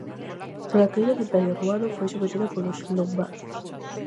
Trala caída do Imperio Romano foi sometida polos lombardos.